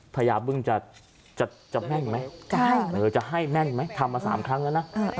พยาบึงจะจะจะแม่งไหมจะให้เออจะให้แม่งไหมทำมาสามครั้งแล้วน่ะเออ